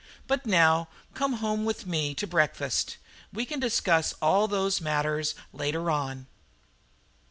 But now come home with me to breakfast. We can discuss all those matters later on."